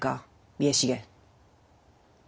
家重。